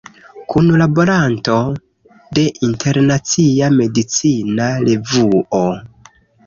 Kunlaboranto de Internacia Medicina Revuo.